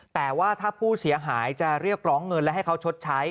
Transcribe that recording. แต่ว่าถ้าผู้เสียหายจะเรียกร้องเงินและให้เขาชดใช้